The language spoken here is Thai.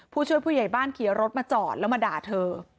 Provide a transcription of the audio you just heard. ผู้ช่วยผู้ใหญ่บ้านขี่รถมาจอดแล้วมาด่าเธอ